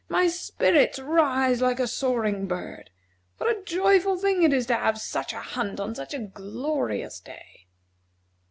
My spirits rise like a soaring bird. What a joyful thing it is to have such a hunt on such a glorious day!"